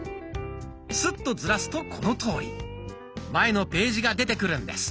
スッとずらすとこのとおり前のページが出てくるんです。